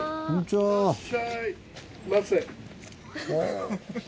・いらっしゃいませ。